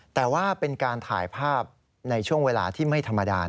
แต่ว่าเป็นการถ่ายภาพในช่วงเวลาที่ไม่ธรรมดา